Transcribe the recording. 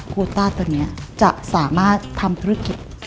โคต้าตัวนี้จะสามารถทำธุรกิจ